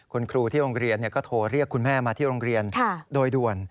คุณครูที่โรงเรียนก็โทรเรียกคุณแม่มาที่โรงเรียนโดยด่วน